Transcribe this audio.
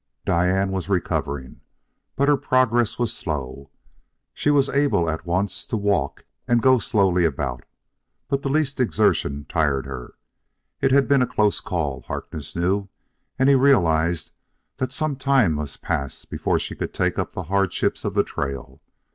Diane was recovering, but her progress was slow. She was able at once to walk and go slowly about, but the least exertion tired her. It had been a close call, Harkness knew, and he realized that some time must pass before she could take up the hardships of the trail.